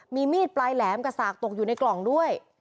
มีมีดปลายแหลมกระสากตกอยู่ในกล่องด้วย